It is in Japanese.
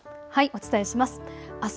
お伝えします。